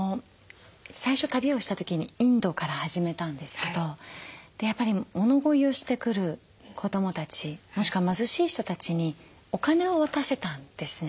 最初旅をした時にインドから始めたんですけどやっぱり物乞いをしてくる子どもたちもしくは貧しい人たちにお金を渡してたんですね。